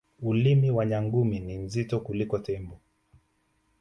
ulimi wa nyangumi ni mzito kuliko tembo